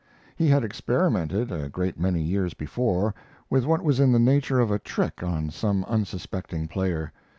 He had experimented, a great many years before, with what was in the nature of a trick on some unsuspecting player.